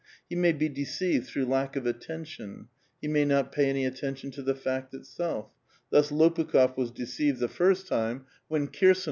He may be deceived through lack of attention ; he may not pay any attention to the fact itself ; thus Lopukh6f was deceived the first time when Kir A VITAL QUESTION.